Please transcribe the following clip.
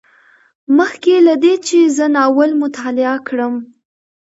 مخکې له دې چې زه ناول مطالعه کړم